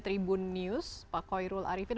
tribun news pak koirul arifin